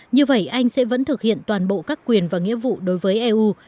như vậy anh sẽ vẫn thực hiện toàn bộ các quyền và nghĩa vụ đối với eu